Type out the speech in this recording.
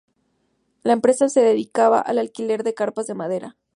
La empresa se dedicaba al alquiler de carpas de madera.